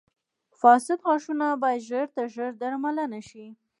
• فاسد غاښونه باید ژر تر ژره درملنه شي.